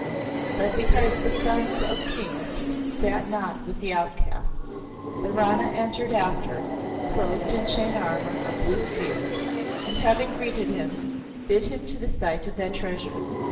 But because the sons of Kings eat not with the outcasts, the Rana entered after, clothed in chain armor of blue steel, and having greeted him, bid him to the sight of that Treasure.